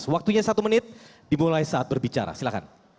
waktunya satu menit dimulai saat berbicara silahkan